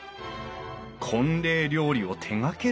婚礼料理を手がけるのは」